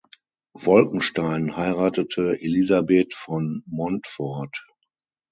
Wolkenstein heiratete Elisabeth von Montfort.